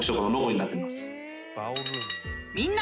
［みんな］